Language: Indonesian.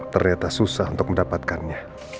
ternyata susah untuk mendapatkannya